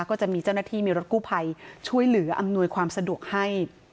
ก็จะมีเจ้าหน้าที่มีรถกู้ภัยช่วยเหลืออำนวยความสะดวกให้